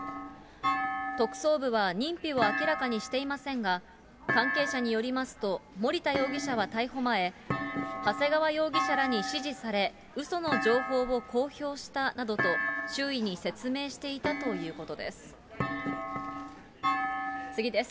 特捜部は認否を明らかにしていませんが、関係者によりますと、森田容疑者は逮捕前、長谷川容疑者らに指示され、うその情報を公表したなどと、周囲に説明していたということです。